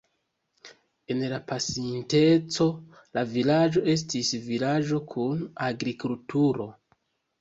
En la pasinteco la vilaĝo estis vilaĝo kun agrikulturo.